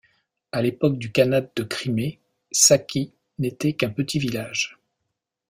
À l'époque du khanat de Crimée, Saky n'était qu'un petit village.